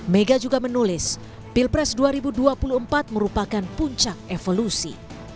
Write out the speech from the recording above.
mega juga menulis pilpres dua ribu dua puluh empat merupakan puncak evolusi